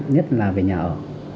nhất là về nhà ở